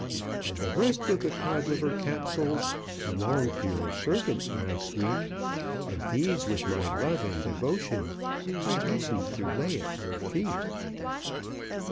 "And the rest of the Codliver Capsules Belong to your servant, my sweet, And these, with my love and devotion, I hasten to lay at your feet."